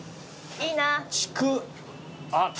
いいな！